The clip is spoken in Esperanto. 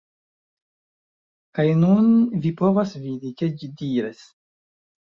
Kaj nun, vi povas vidi, ke ĝi diras